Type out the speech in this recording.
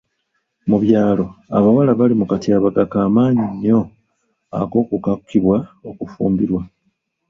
Mu byalo, abawala bali mu katyabaga k'amaanyi nnyo ak'okukakibwa okufumbirwa.